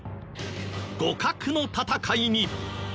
互角の戦いに。